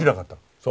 そう。